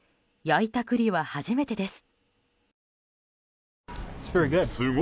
焼いた栗は初めてです。